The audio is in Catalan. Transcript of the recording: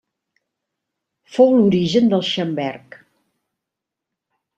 Fou l'origen del xamberg.